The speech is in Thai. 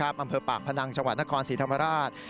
อำเภอปากพนังชาวนครสีธรรมราช